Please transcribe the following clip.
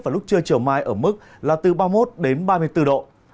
vào lúc trưa chiều mai ở mức là từ ba mươi một đến ba mươi bốn độ